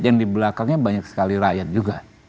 yang di belakangnya banyak sekali rakyat juga